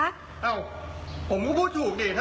อ้าวผมก็พูดถูกเนี่ย